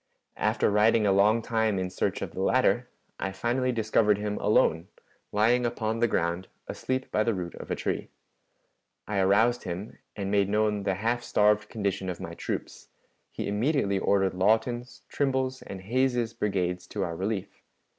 After riding a long time in search of the latter, I finally discovered him alone, lying upon the ground asleep by the root of a tree. I aroused him, and made known the half starved condition of my troops; he immediately ordered Lawton's, Trimble's, and Hays's brigades to our relief.